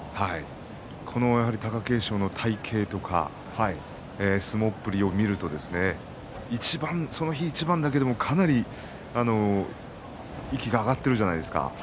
貴景勝の体形とか相撲っぷりを見るとその日一番だけでもかなり息が上がっているじゃないですか。